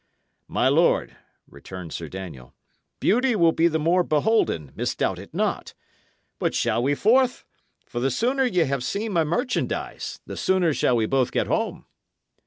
"My lord," returned Sir Daniel, "beauty will be the more beholden, misdoubt it not. But shall we forth? for the sooner ye have seen my merchandise, the sooner shall we both get home."